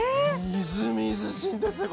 みずみずしいんですね